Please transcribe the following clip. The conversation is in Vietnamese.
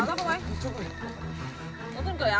có thân cởi áo đâu không anh